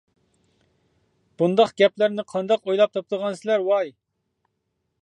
بۇنداق گەپلەرنى قانداق ئويلاپ تاپىدىغانسىلەر ۋاي.